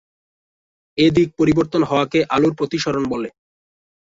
এ দিক পরিবর্তন হওয়াকে আলোর প্রতিসরণ বলে।